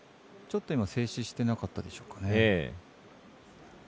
ちょっと今、制止していなかったでしょうかね。